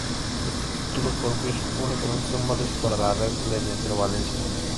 Los títulos propios únicamente son válidos para la red de Metrovalencia.